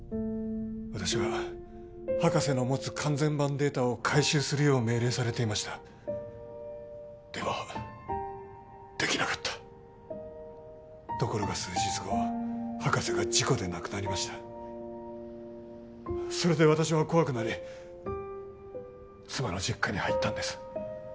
私は博士の持つ完全版データを回収するよう命令されていましたでもできなかったところが数日後博士が事故で亡くなりましたそれで私は怖くなり妻の実家に入ったんです